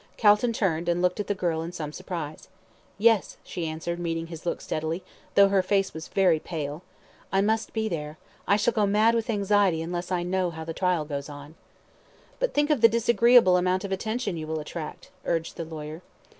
Calton turned, and looked at the girl in some surprise. "Yes," she answered, meeting his look steadily, though her face was very pale; "I must be there. I shall go mad with anxiety unless I know how the trial goes on." "But think of the disagreeable amount of attention you will attract," urged the lawyer.